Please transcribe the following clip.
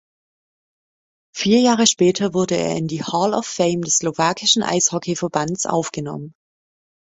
Vier Jahre später wurde er in die Hall of Fame des slowakischen Eishockeyverbands aufgenommen.